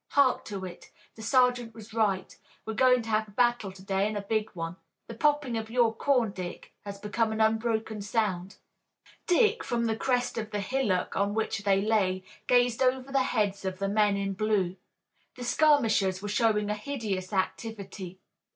"Hark to it! The sergeant was right. We're going to have a battle to day and a big one. The popping of your corn, Dick, has become an unbroken sound." Dick, from the crest of the hillock on which they lay, gazed over the heads of the men in blue. The skirmishers were showing a hideous activity.